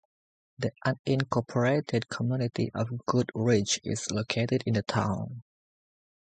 The unincorporated community of Goodrich is located in the town.